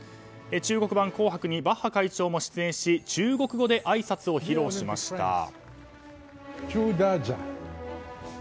中国版「紅白」にバッハ会長も出演し中国語であいさつを披露しました。